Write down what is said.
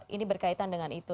ini berkaitan dengan itu